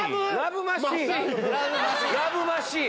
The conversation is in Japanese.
ラブマシン？